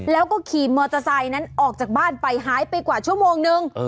แล้วก็ขี่มอเตอร์ไซค์นั้นออกจากบ้านไปหายไปกว่าชั่วโมงนึง